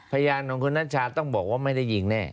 พยานของคุณนัชชาต้องบอกว่าไม่ได้ยิงแน่